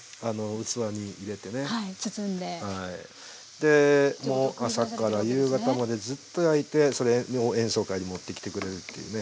でもう朝から夕方までずっと焼いてそれを演奏会に持ってきてくれるっていうね。